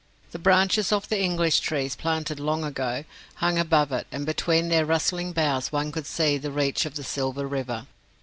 The branches of the English trees (planted long ago) hung above it, and between their rustling boughs one could see the reach of the silver river.